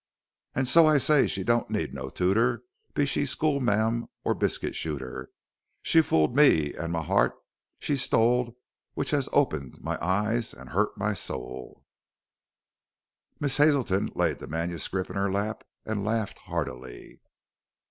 An so i say she dont need no tooter be she skule mam or biscut shooter she fooled me an my hart she stole which has opened my eyes an hurt my sole." Miss Hazelton laid the manuscript in her lap and laughed heartily.